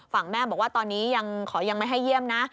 ฝั่งแม่บอกว่าตอนนี้ยังขอยังไม่ให้เยี่ยมนะ